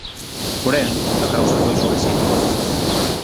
Porén, a causa foi sobresida.